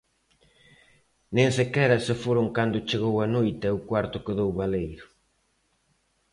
Nen sequera se foron cando chegou a noite e o cuarto quedou baleiro.